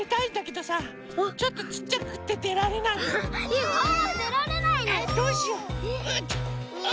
どうしよう？うっ！